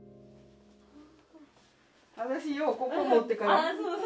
私ようここ持ってからああ